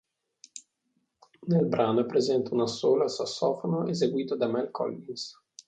Nel brano è presente un assolo al sassofono eseguito da Mel Collins.